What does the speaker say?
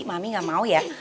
mami gak mau ya